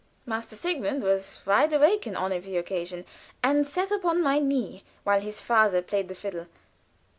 Master Sigmund was wide awake in honor of the occasion, and sat upon my knee while his father played the fiddle.